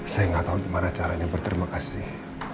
saya gak tau gimana caranya berterima kasih